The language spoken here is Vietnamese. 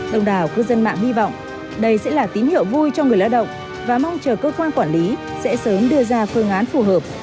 đồng đảo cư dân mạng hy vọng đây sẽ là tín hiệu vui cho người lao động và mong chờ cơ quan quản lý sẽ sớm đưa ra phương án phù hợp